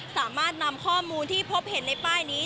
สามารถนำข้อมูลที่พบเห็นในป้ายนี้